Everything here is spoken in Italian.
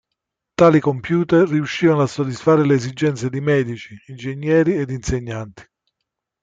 Tali computer riuscivano a soddisfare le esigenze di medici, ingegneri ed insegnanti.